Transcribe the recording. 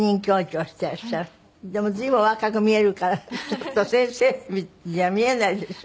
でも随分お若く見えるからちょっと先生には見えないでしょ。